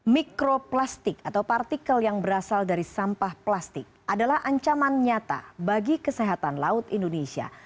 mikroplastik atau partikel yang berasal dari sampah plastik adalah ancaman nyata bagi kesehatan laut indonesia